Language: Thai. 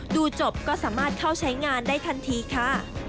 ดูจบก็สามารถเข้าใช้งานได้ทันทีค่ะ